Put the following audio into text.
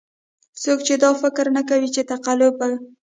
څوک دې دا فکر نه کوي چې تقلب به.